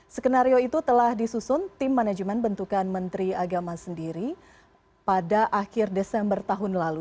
skenario itu telah disusun tim manajemen bentukan menteri agama sendiri pada akhir desember tahun lalu